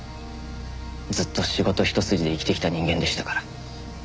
ずっと仕事一筋で生きてきた人間でしたから。